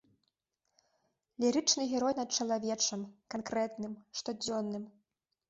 Лірычны герой над чалавечым, канкрэтным, штодзённым.